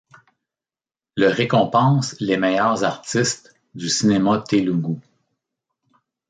Le récompense les meilleurs artistes du cinéma télougou.